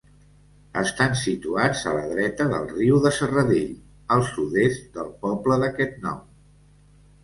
Estan situats a la dreta del riu de Serradell, al sud-est del poble d'aquest nom.